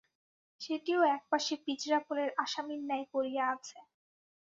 সেটিও একপাশে পিজরাপোলের আসামীর ন্যায় পড়িয়া আছে।